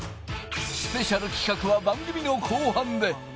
スペシャル企画は番組の後半で。